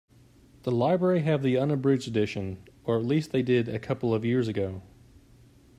The library have the unabridged edition, or at least they did a couple of years ago.